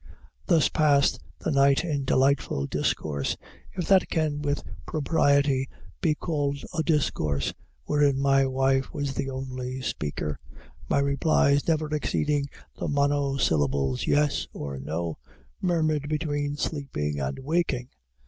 Thus past the night in delightful discourse, if that can with propriety be called a discourse, wherein my wife was the only speaker my replies never exceeding the monosyllables yes or no, murmured between sleeping and waking.